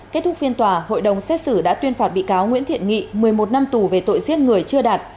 kết thúc phiên tòa hội đồng xét xử đã tuyên phạt bị cáo nguyễn thiện nghị một mươi một năm tù về tội giết người chưa đạt